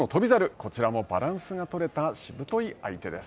こちらもバランスが取れたしぶとい相手です。